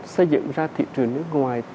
xây dựng ra thị trường nước ngoài